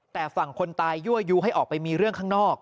แต่ฝั่งคนตายยั่วยูให้ออกไปมีเรื่องข้างนอก